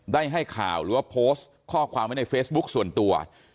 ได้ให้ข่าวหรือว่าโพสต์ข้อความไว้ในเฟซบุ๊คส่วนตัว